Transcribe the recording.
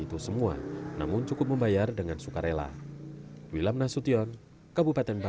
itu semua namun cukup membayar dengan suka rela